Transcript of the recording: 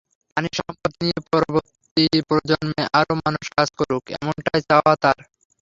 পানিসম্পদ নিয়ে পরবর্তী প্রজন্মে আরও মানুষ কাজ করুক, এমনটাই চাওয়া তাঁর।